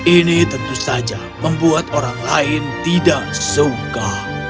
ini tentu saja membuat orang lain tidak suka